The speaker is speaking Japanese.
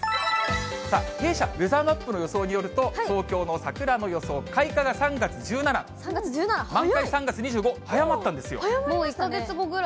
さあ、弊社ウェザーマップの予想によると、東京の桜の予想、開花が３月３月１７、早い。